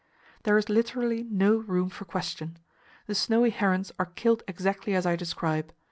"There is literally no room for question. The snowy herons are killed exactly as I describe.